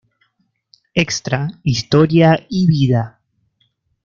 Extra Historia y Vida.